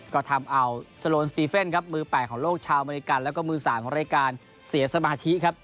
ก็ทำเอาโซโลนสตีเฟนครับมือ๘ของโลกชาวอเมริกันแล้วก็มือ๓ของรายการเสียสมาธิครับ